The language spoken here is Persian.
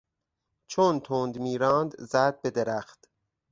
چون تند میراند زد به درخت.